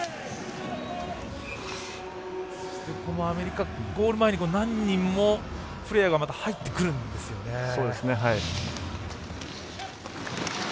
アメリカ、ゴール前にも何人も入ってくるんですよね。